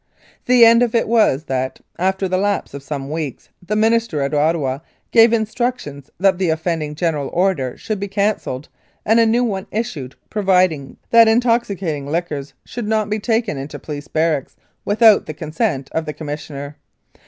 The end of it was that, after the lapse of some weeks, the Minister at Ottawa gave instructions that the offend ing General Order should be cancelled and a new one issued providing that intoxicating liquors should not be taken into police barracks without the consent of the Commissioner.